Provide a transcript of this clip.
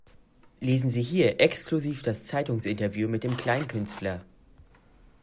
Lesen sie hier exklusiv das Zeitungsinterview mit dem Kleinkünstler!